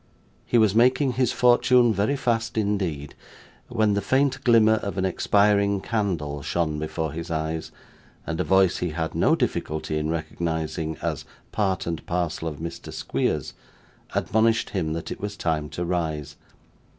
He was making his fortune very fast indeed, when the faint glimmer of an expiring candle shone before his eyes, and a voice he had no difficulty in recognising as part and parcel of Mr Squeers, admonished him that it was time to rise.